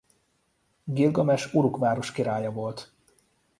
Gilgames Uruk város királya volt.